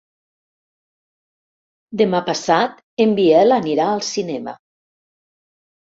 Demà passat en Biel anirà al cinema.